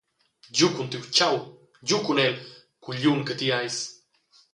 Giu cun tiu tgau, giu cun el, cugliun che ti eis.